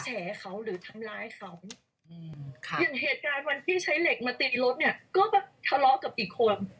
ช่างเหตุการณ์วันที่ใช้เหล็กมาตีรถนี่ก็แบบทะเลาะกับอีกคน